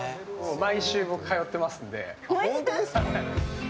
毎週、僕通ってますので。